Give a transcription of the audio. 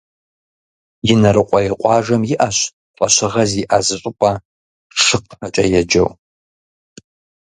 Инарыкъуей къуажэм иӏэщ фӏэщыгъэ зиӏэ зы щӏыпӏэ, «Шыкхъэкӏэ» еджэу.